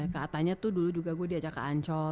katanya tuh dulu juga gue diajak ke ancol